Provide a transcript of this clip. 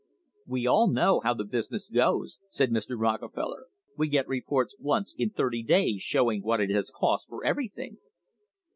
"We all know how the business goes," said Mr. Rockefeller; "we get reports once in thirty days showing what it has cost for everything."